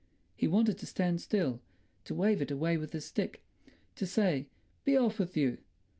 He wanted to stand still, to wave it away with his stick, to say, "Be off with you!"